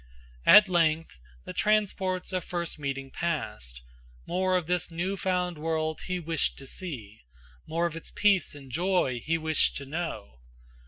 At length, the transports of first meeting past, More of this new found world he wished to see, More of its peace and joy he wished to know.